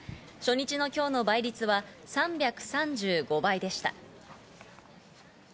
初日の今日の倍率は３３５倍でした。